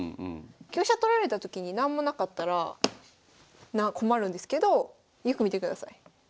香車取られたときになんもなかったら困るんですけどよく見てください。